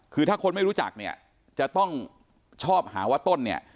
คือถ้าคนไม่รู้จักเนี่ยจะต้องชอบหาว่าต้นเนี่ย